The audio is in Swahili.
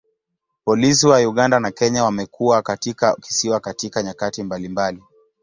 Polisi wa Uganda na Kenya wamekuwa katika kisiwa katika nyakati mbalimbali.